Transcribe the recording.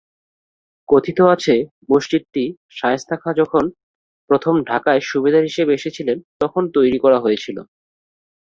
কথিত আছে মসজিদটি শায়েস্তা খাঁ যখন প্রথম ঢাকায় সুবেদার হিসেবে এসেছিলেন তখন তৈরি করা হয়েছিল।